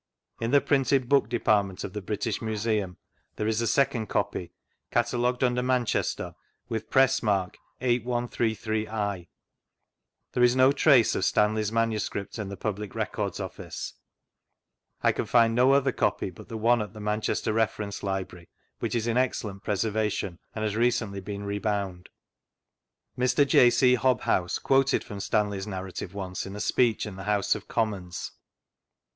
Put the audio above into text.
In the Printed Book Department of the British Museum there is a ■V Google BISHOP STANLEY 3 second copy, catalogued under Manchester, with press mark 8 1 331. There is no trace of Stanley's MS. in the Public Records Office, I can find no other copy but the one at the Manchester Reference Library, which is in excellent preservation, and has recently been rebound. Mr. J. C. Hobhouse quoted from Stanley's narrative once in a speech in the House of Commons.